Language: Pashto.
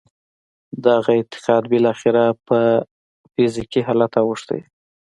دغه اعتقاد بالاخره پر فزیکي حالت اوښتی دی